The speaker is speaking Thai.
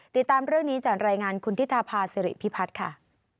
ติดตามเรื่องนี้จากรายงานคุณธิธาภาสิริพิพัฒน์ค่ะ